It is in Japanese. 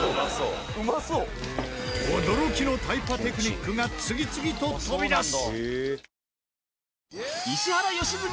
驚きのタイパテクニックが次々と飛び出す！